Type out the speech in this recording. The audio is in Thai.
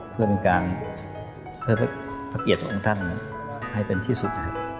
เพื่อเป็นการเทียดพระองค์ท่านให้เป็นที่สุด